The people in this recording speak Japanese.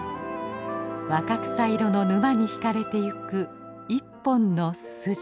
若草色の沼に引かれていく一本の筋。